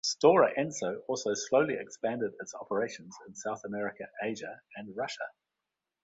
Stora Enso also slowly expanded its operations in South America, Asia and Russia.